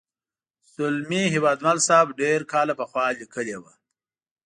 زلمي هیوادمل صاحب ډېر کاله پخوا لیکلې وه.